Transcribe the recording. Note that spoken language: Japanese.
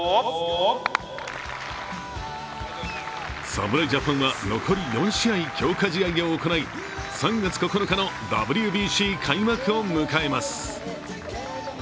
侍ジャパンは残り４試合強化試合を行い、３月９日のＷＢＣ開幕を迎えます。